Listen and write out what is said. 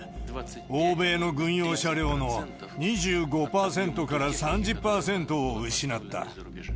欧米の軍用車両の２５％から３０％を失った。